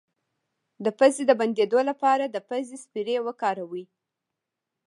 د پوزې د بندیدو لپاره د پوزې سپری وکاروئ